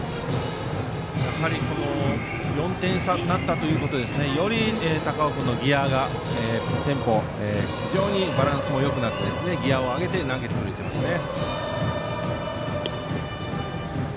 やはり４点差になったということで、より高尾君はテンポ、非常にバランスもよくなってギヤを上げて投げてくれますね。